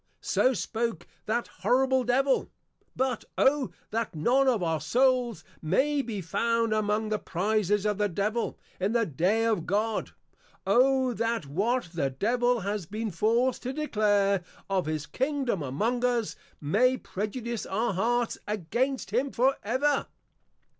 _ So spoke that horrible Devil! But O that none of our Souls may be found among the Prizes of the Devil, in the Day of God! O that what the Devil has been forced to declare, of his Kingdom among us, may prejudice our Hearts against him for ever!